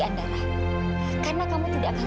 adalah karena kamu tidak akan